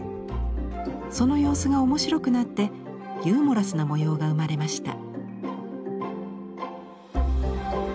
その様子が面白くなってユーモラスな模様が生まれました。